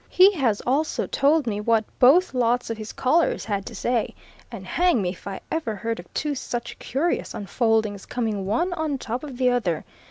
He has also told me what both lots of his callers had to say, and hang me if I ever heard of two such curious unfoldings coming one on top of the other.